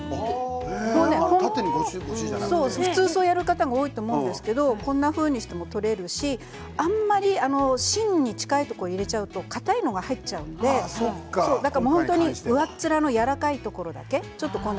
普通、縦にやる方いると思うんですけどこんなふうにしても取れるしあんまり芯に近いところに入れちゃうとかたいのが入っちゃうので本当に上面のやわらかいところだけ。